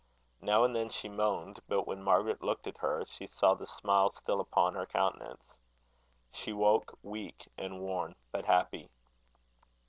Now and then she moaned; but when Margaret looked at her, she saw the smile still upon her countenance. She woke weak and worn, but happy.